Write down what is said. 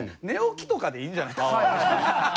寝起きとかでいいんじゃない？